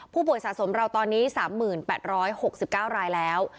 ผู้ป่วยสะสมเราตอนนี้๓๘๖๙รายแล้ว